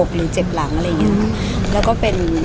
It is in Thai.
ภาษาสนิทยาลัยสุดท้าย